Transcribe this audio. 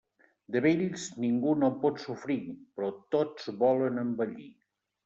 De vells, ningú no en pot sofrir, però tots volen envellir.